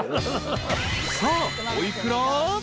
［さあお幾ら？］